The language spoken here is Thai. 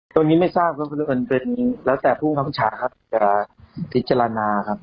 ตัวนี้ไม่ทราบเพราะว่าเป็นแล้วแต่ผู้ทักษะครับจะพิจารณาครับ